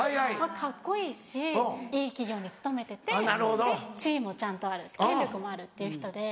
カッコいいしいい企業に勤めてて地位もちゃんとある権力もあるっていう人で。